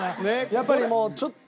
やっぱりもうちょっと。